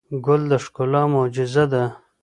ګل د ښکلا معجزه ده.